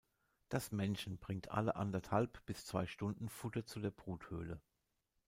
Das Männchen bringt alle anderthalb bis zwei Stunden Futter zu der Bruthöhle.